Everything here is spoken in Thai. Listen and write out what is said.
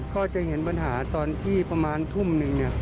ก็จะเห็นปัญหาตอนที่ประมาณทุ่มหนึ่ง